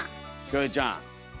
キョエちゃん。